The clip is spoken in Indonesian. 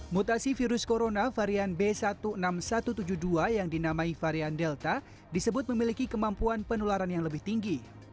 mutasi virus corona varian b satu enam ribu satu ratus tujuh puluh dua yang dinamai varian delta disebut memiliki kemampuan penularan yang lebih tinggi